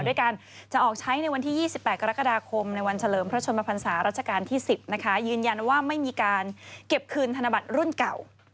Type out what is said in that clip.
ด้วยการจะออกใช้ในวันที่๒๘กรกฎาคมในวันเฉลิมพระชนมพันศารัชกาลที่๑๐นะคะยืนยันว่าไม่มีการเก็บคืนธนบัตรรุ่นเก่า